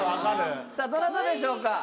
さぁどなたでしょうか？